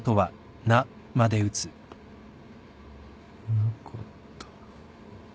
なかった。